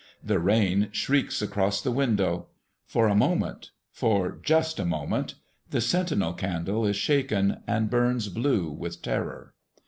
The rain shrieks across the window. For a moment, for just a moment, the sentinel candle is shaken, and burns blue with terror.